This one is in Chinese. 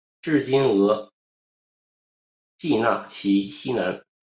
治今额济纳旗西南。